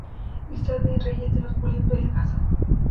Lista de reyes de los belgas